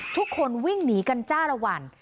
ทุกคนวิ่งหนีกันจ้าละวัน